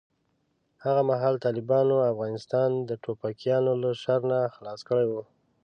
هغه مهال طالبانو افغانستان د ټوپکیانو له شر نه خلاص کړی و.